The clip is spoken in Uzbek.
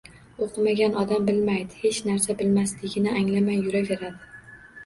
O‘qimagan odam bilmaydi, hech narsa bilmasligini anglamay yuraveradi.